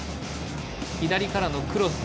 左からのクロス